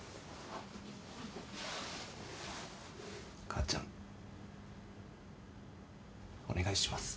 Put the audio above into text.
母ちゃんお願いします。